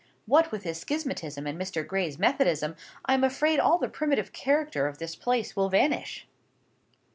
What with his schismatism and Mr. Gray's methodism, I am afraid all the primitive character of this place will vanish."